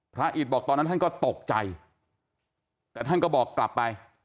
อิตบอกตอนนั้นท่านก็ตกใจแต่ท่านก็บอกกลับไป